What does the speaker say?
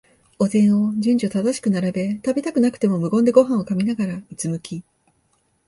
お膳を順序正しく並べ、食べたくなくても無言でごはんを噛みながら、うつむき、